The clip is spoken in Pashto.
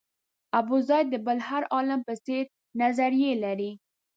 ابوزید د بل هر عالم په څېر نظریې لرلې.